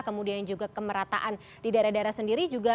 kemudian juga kemerataan di daerah daerah sendiri juga